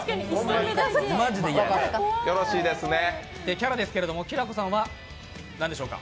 キャラですけどきらこさんは何でしょうか。